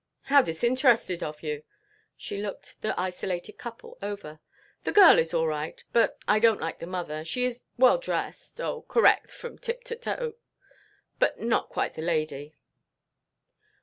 "How disinterested of you!" She looked the isolated couple over. "The girl is all right, but I don't like the mother. She is well dressed oh, correct from tip to toe but not quite the lady."